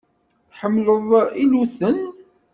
Tḥemmleḍ iluten.